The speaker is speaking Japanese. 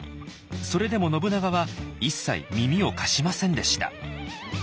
それでも信長は一切耳を貸しませんでした。